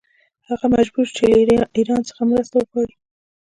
هغه مجبور شو چې له ایران څخه مرسته وغواړي.